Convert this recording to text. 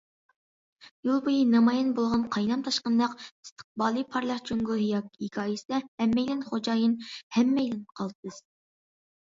يول بويى نامايان بولغان قاينام- تاشقىنلىق، ئىستىقبالى پارلاق جۇڭگو ھېكايىسىدە ھەممەيلەن خوجايىن، ھەممەيلەن قالتىس!